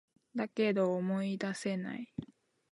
だけど、思い出せない